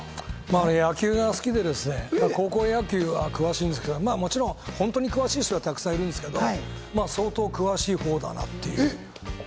野球が好きでですね、高校野球が詳しいんですけど、もちろん本当に詳しい人は沢山いるんですけど、相当詳しいほうだなっていう。